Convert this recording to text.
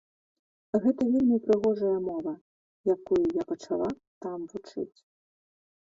Гэта вельмі прыгожая мова, якую я пачала там вучыць.